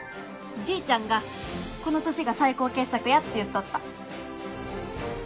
じいちゃんがこの年が最高傑作やって言っとった。